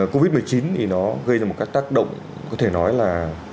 covid một mươi chín thì nó gây ra một các tác động có thể nói là